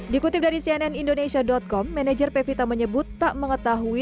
dikutip dari cnn indonesia com manajer pevita menyebut tak mengetahui